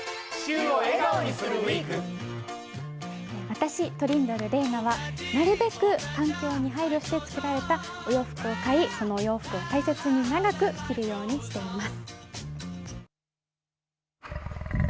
私、トリンドル玲奈はなるべく環境に配慮した作られたお洋服を買い、そのお洋服を大切に長く着るようにしています。